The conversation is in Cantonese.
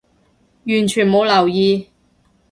完全冇留意